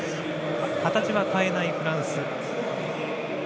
形は変えないフランス。